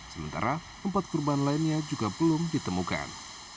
sementara empat korban lainnya juga belum ditemukan